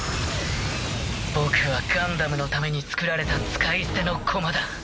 僕はガンダムのためにつくられた使い捨ての駒だ。